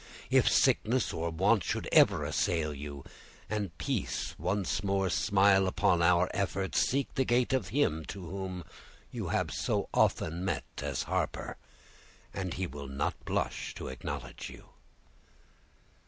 If sickness or want should ever assail you and peace once more smile upon our efforts, seek the gate of him whom you have so often met as Harper, and he will not blush to acknowledge you."